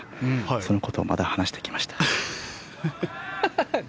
そのことをまた話してきました。